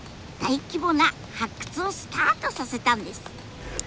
大規模な発掘をスタートさせたんです。